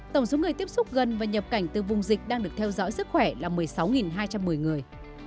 tổng số người tiếp xúc gần và nhập cảnh từ vùng dịch đang được theo dõi sức khỏe là một mươi sáu hai trăm một mươi người